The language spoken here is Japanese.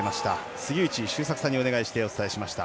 杉内周作さんにお願いしてお伝えをしました。